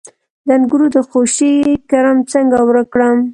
د انګورو د خوشې کرم څنګه ورک کړم؟